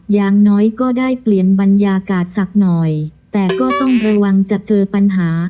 อย่างน้อยก็ได้เปลี่ยนบรรยากาศสักหน่อยแต่ก็ต้องระวังจะเจอปัญหา